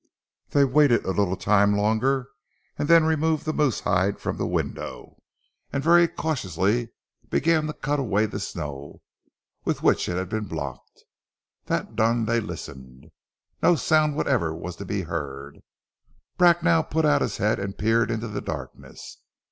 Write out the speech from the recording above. They waited a little time longer, and then removed the moose hide from the window and very cautiously began to cut away the snow with which it had been blocked. That done they listened. No sound whatever was to be heard. Bracknell put out his head and peered into the darkness.